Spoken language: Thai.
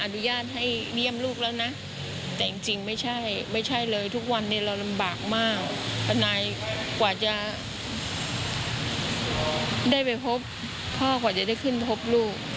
ได้ไปพบพ่อกว่าจะได้ขึ้นพบลูก